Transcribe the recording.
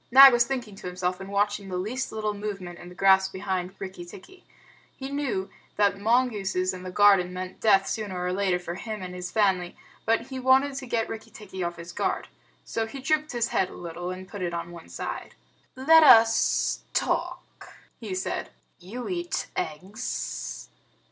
Nag was thinking to himself, and watching the least little movement in the grass behind Rikki tikki. He knew that mongooses in the garden meant death sooner or later for him and his family, but he wanted to get Rikki tikki off his guard. So he dropped his head a little, and put it on one side. "Let us talk," he said. "You eat eggs.